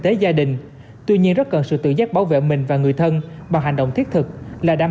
tế gia đình tuy nhiên rất cần sự tự giác bảo vệ mình và người thân bằng hành động thiết thực là đam